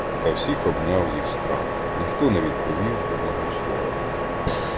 Та всіх обняв їх страх, ніхто не відповів одного слова.